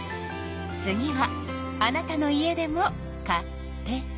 次はあなたの家でも「カテイカ」。